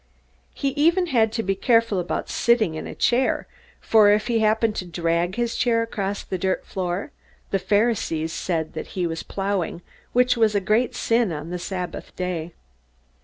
He even had to be careful about sitting in a chair, for if he happened to drag his chair across the dirt floor the Pharisees said that he was plowing, which was a great sin on the Sabbath Day.